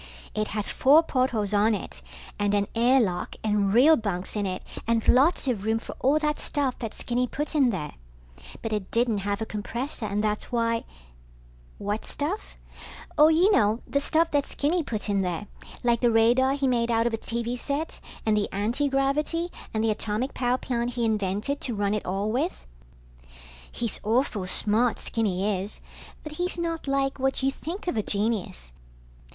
It had four portholes on it and an air lock and real bunks in it and lots of room for all that stuff that Skinny put in there. But it didn't have a compressor and that's why ... What stuff? Oh, you know, the stuff that Skinny put in there. Like the radar he made out of a TV set and the antigravity and the atomic power plant he invented to run it all with. He's awful smart, Skinny is, but he's not like what you think of a genius.